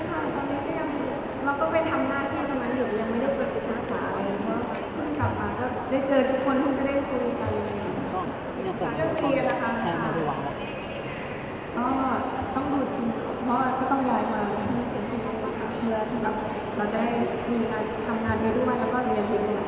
ก็ต้องดูทีนี้เพราะว่าก็ต้องย้ายมาทีนี้เป็นทีน้องมาค่ะเพื่อที่แบบเราจะให้มีค่ะทำงานเยอะดีมากแล้วก็เรียนเยอะดีมากเพื่อจะได้เสียงมือ